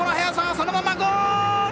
そのままゴール！